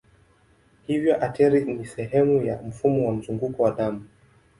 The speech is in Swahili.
Hivyo ateri ni sehemu ya mfumo wa mzunguko wa damu.